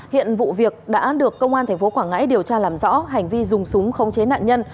hiện vụ việc đã được công an tp quảng ngãi điều tra làm rõ hành vi dùng súng khống chế nạn nhân